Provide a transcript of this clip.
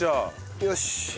よし。